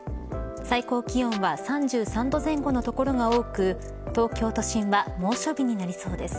最高気温は３３度前後の所が多く東京都心は猛暑日になりそうです。